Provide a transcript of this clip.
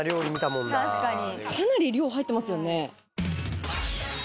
かなり量入ってますよね。